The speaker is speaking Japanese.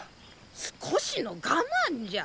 少しの我慢じゃ！